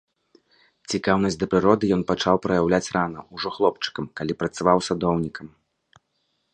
Цікаўнасць да прыроды ён пачаў праяўляць рана, ужо хлопчыкам, калі працаваў садоўнікам.